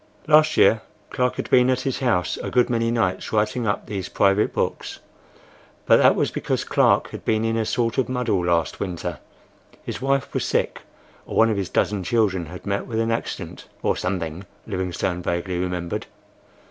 Last year Clark had been at his house a good many nights writing up these private books; but that was because Clark had been in a sort of muddle last winter,—his wife was sick, or one of his dozen children had met with an accident,—or something,—Livingstone vaguely remembered.